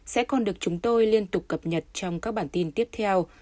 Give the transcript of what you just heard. sẽ còn được chúng tôi liên tục cập nhật trong các bản tin tiếp theo